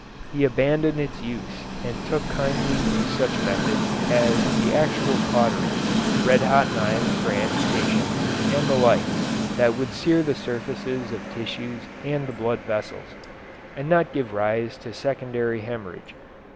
He abandoned its use and took kindly to such methods as the actual cautery, red hot knives for amputations, and the like, that would sear the surfaces of tissues and the blood vessels, and not give rise to secondary hemorrhage.